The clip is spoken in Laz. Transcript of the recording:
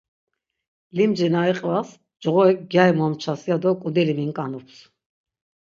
Limci na iqvas coğorik, gyari momças ya do k̆udeli mink̆anups.